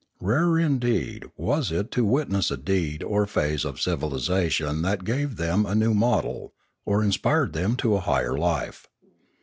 Rare, indeed, was it to witness a deed or phase of civilisation that gave them a new model, or inspired them to higher life.